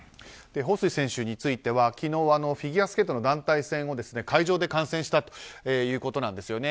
ホウ・スイ選手については昨日フィギュアスケートの団体戦を会場で観戦したということなんです。